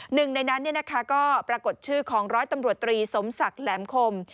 หนึ่งในนั้นก็ปรากฏชื่อของร้อยตำรวจตรีสมศักดิ์แหลมคม